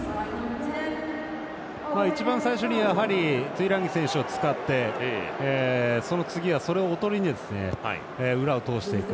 一番最初にトゥイランギ選手を使ってその次は、それをオトリに裏を通していく。